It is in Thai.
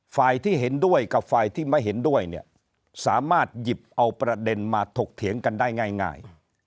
ฝ่ายที่เห็นด้วยกับฝ่ายที่ไม่เห็นด้วยเนี่ยสามารถหยิบเอาประเด็นมาถกเถียงกันได้ง่าย